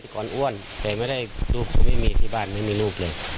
ก่อนอ้วนแต่ไม่ได้ลูกเขาไม่มีที่บ้านไม่มีลูกเลย